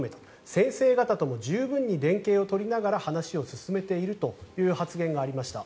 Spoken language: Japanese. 先生方とも十分に連携を取って話を進めているという発言がありました。